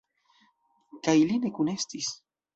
Kaj li ne kunestis.